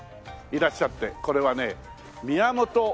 いらっしゃってこれはね宮本重義さん。